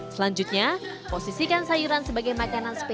selanjutnya posisikan sayuran sebagai makanan spesial